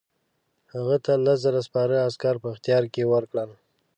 هغه ته لس زره سپاره عسکر په اختیار کې ورکړل.